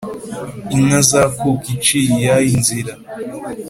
inka zakuka, iciye iyayo nzira,